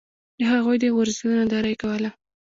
د هغوی د غورځېدو ننداره یې کوله.